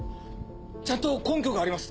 ちゃんと根拠があります。